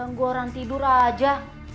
ganggu orang tidur aja